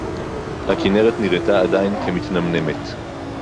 הַכִּנֶּרֶת נִרְאֲתָה עֲדַיִן כְּמִתְנַמְנֶמֶת